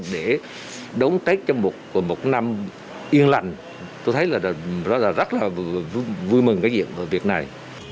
để đống tết trong một năm yên lạnh tôi thấy là rất là vui mừng cái việc này